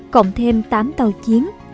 cộng thêm tám tàu chiến